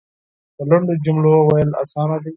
د لنډو جملو ویل اسانه دی .